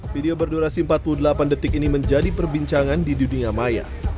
video berdurasi empat puluh delapan detik ini menjadi perbincangan di dunia maya